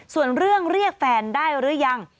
ส่วนเรื่องเรียกแฟนได้หรือยัง